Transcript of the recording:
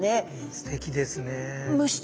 すてきですね。